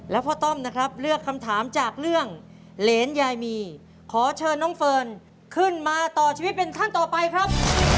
แล้วพ่อต้อมนะครับเลือกคำถามจากเรื่องเหรนยายมีขอเชิญน้องเฟิร์นขึ้นมาต่อชีวิตเป็นท่านต่อไปครับ